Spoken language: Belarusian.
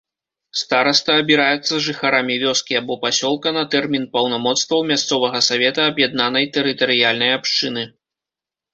Стараста абіраецца жыхарамі вёскі або пасёлка на тэрмін паўнамоцтваў мясцовага савета аб'яднанай тэрытарыяльнай абшчыны.